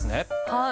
はい。